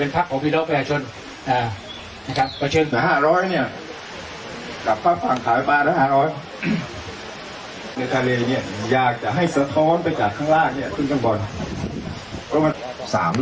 นะครับไม่เชิญห้าหรออย่างเนี้ยกับผ้าฝ่างเท้าไปปลายห้าร้อย